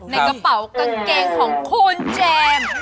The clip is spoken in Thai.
ในกระเป๋ากางเกงของคุณเจมส์